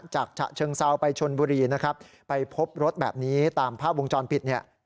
ฉะเชิงเซาไปชนบุรีนะครับไปพบรถแบบนี้ตามภาพวงจรปิดเนี่ย